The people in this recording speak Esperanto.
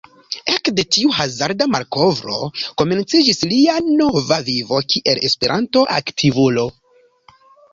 Ekde tiu hazarda malkovro komenciĝis lia nova vivo kiel Esperanto-aktivulo.